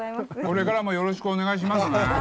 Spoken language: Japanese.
これからもよろしくお願いしますね。